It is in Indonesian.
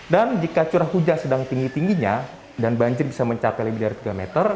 dan jika curah hujan sedang tinggi tingginya dan banjir bisa mencapai lebih dari tiga meter